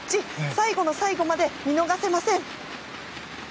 最後の最後まで見逃せません！